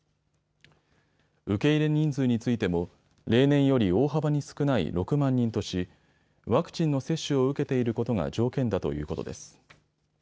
受け入れ人数についても例年より大幅に少ない６万人としワクチンの接種を受けていることが条件だということです。